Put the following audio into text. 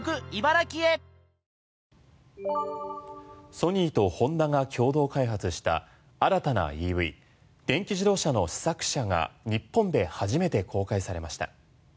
ソニーとホンダが共同開発した新たなＥＶ・電気自動車の試作車が日本で初めて公開されました。